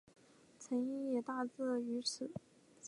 成因也大致与此相同。